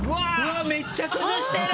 めっちゃ崩してる！